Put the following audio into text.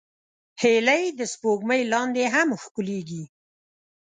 هیلۍ د سپوږمۍ لاندې هم ښکليږي